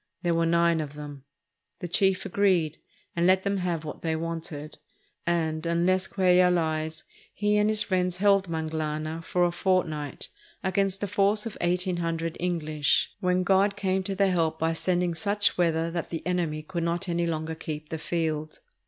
There were nine of them. The chief agreed, and let them have what they wanted; and, unless Cuellar lies, he and his friends held "Manglana" for a fortnight against a force of eighteen hundred Enghsh, when God came to their help by sending such weather that the enemy could not any longer keep the field.